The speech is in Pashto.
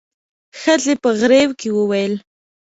ښځې په غريو کې وويل.